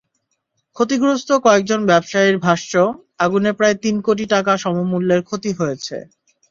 ক্ষতিগ্রস্ত কয়েকজন ব্যবসায়ীর ভাষ্য, আগুনে প্রায় তিন কোটি টাকা সমমূল্যের ক্ষতি হয়েছে।